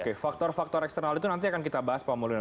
oke faktor faktor eksternal itu nanti akan kita bahas pak mulyono